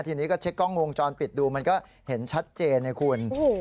ทีนี้ก็เช็คกล้องวงจรปิดดูมันก็เห็นชัดเจนไงคุณ